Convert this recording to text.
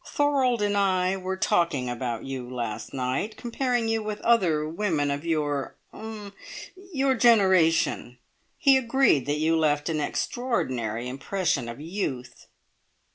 Thorold and I were talking about you last night, comparing you with other women of your er your generation. We agreed that you left an extraordinary impression of youth!"